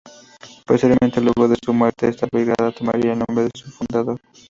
Posteriormente, luego de su muerte, esta Brigada tomaría el nombre de su fundador.